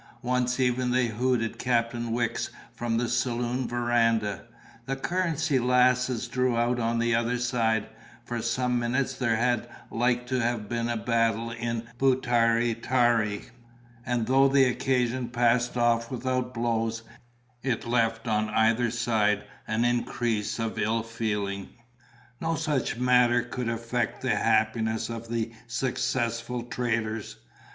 Once even they hooted Captain Wicks from the saloon verandah; the Currency Lasses drew out on the other side; for some minutes there had like to have been a battle in Butaritari; and though the occasion passed off without blows, it left on either side an increase of ill feeling. No such small matter could affect the happiness of the successful traders.